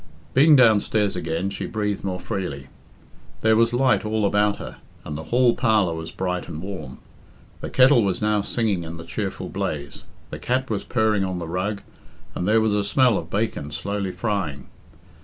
Being downstairs again, she breathed more freely. There was light all about her, and the hall parlour was bright and warm. The kettle was now singing in the cheerful blaze, the cat was purring on the rug, and there was a smell of bacon slowly frying.